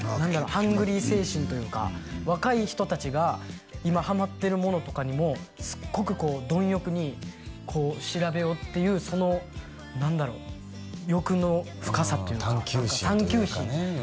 ハングリー精神というか若い人達が今ハマってるものとかにもすっごくこう貪欲にこう調べようっていうその何だろう欲の深さっていうかああ探求心っていうかね